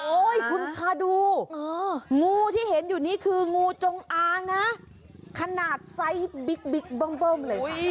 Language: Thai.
คุณคาดูงูที่เห็นอยู่นี่คืองูจงอางนะขนาดไซส์บิ๊กเบิ้มเลย